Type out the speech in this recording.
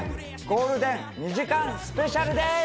ゴールデン２時間スペシャルです。